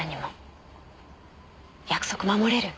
約束守れる？